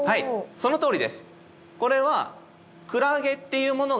そのとおりです。